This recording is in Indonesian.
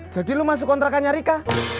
jadi lo masuk kontrakannya rika